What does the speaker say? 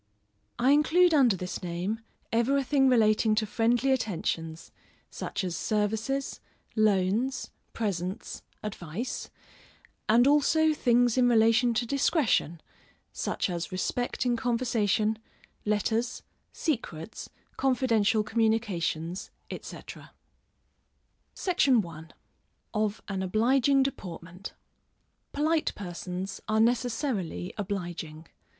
_ I include under this name, everything relating to friendly attentions, such as services, loans, presents, advice, and also things in relation to discretion, such as respect in conversation, letters, secrets, confidential communications, &c. SECTION I. Of an Obliging Deportment. Polite persons are necessarily obliging.